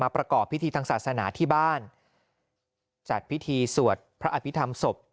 ประกอบพิธีทางศาสนาที่บ้านจัดพิธีสวดพระอภิษฐรรมศพ